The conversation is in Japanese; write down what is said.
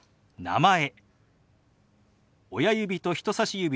「名前」。